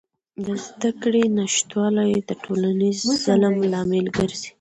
د زدهکړې نشتوالی د ټولنیز ظلم لامل ګرځي.